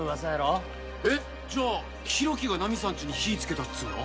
えっじゃあ浩喜がナミさんちに火つけたっつうの？